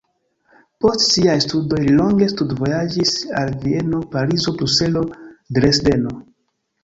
Post siaj studoj li longe studvojaĝis al Vieno, Parizo, Bruselo, Dresdeno.